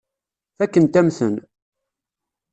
Fakkent-am-ten.